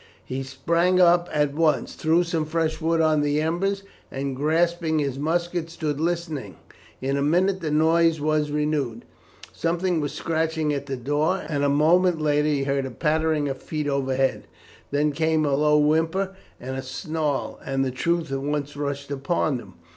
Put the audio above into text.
He sprang up at once, threw some fresh wood on the embers, and, grasping his musket, stood listening. In a minute the noise was renewed; something was scratching at the door, and a moment later he heard a pattering of feet overhead. Then came a low whimper and a snarl, and the truth at once rushed upon him.